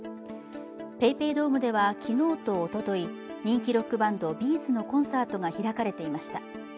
ＰａｙＰａｙドームでは、昨日とおととい、人気ロックバンドＢ’ｚのコンサートが開かれていました。